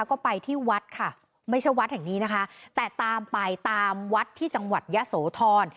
ก็ไปที่วัดค่ะไม่ใช่วัดแห่งนี้นะคะแต่ตามไปตามวัดที่จังหวัดยะโสธร